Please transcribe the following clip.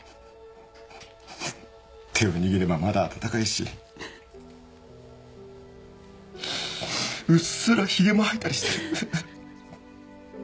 手を握ればまだ温かいしうっすらひげも生えたりしてる。